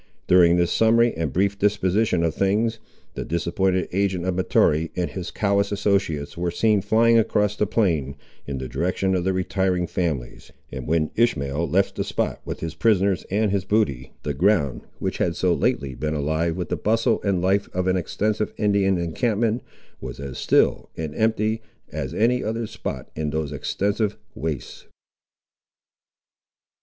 During this summary and brief disposition of things, the disappointed agent of Mahtoree and his callous associates were seen flying across the plain, in the direction of the retiring families; and when Ishmael left the spot with his prisoners and his booty, the ground, which had so lately been alive with the bustle and life of an extensive Indian encampment, was as still and empty as any other spot in those extensive wastes.